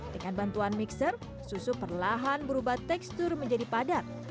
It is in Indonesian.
dengan bantuan mixer susu perlahan berubah tekstur menjadi padat